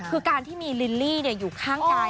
คือการที่มีลิลลี่อยู่ข้างกาย